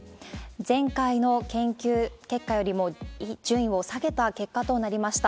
前回の研究結果よりも順位を下げた結果となりました。